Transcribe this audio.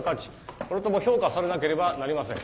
もろとも評価されなければなりません。